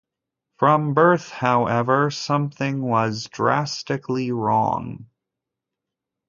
From birth, however, something was drastically wrong.